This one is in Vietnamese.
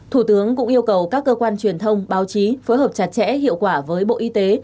thủ tướng cũng yêu cầu các cơ quan truyền thông báo chí phối hợp chặt chẽ hiệu quả với bộ y tế